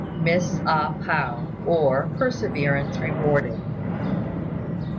MISS A PAO; OR, PERSEVERANCE REWARDED.